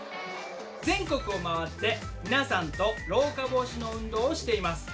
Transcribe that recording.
全国を回って皆さんと老化防止の運動をしています。